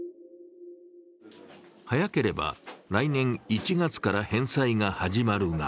早ければ、来年１月から返済が始まるが